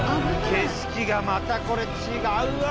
景色がまたこれ違うわ。